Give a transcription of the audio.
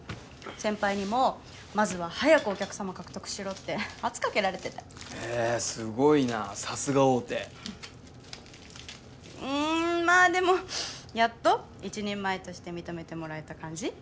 先輩にも「まずは早くお客さま獲得しろ」って圧かけられててへぇすごいなさすが大手うんまぁでもやっと一人前として認めてもらえた感じ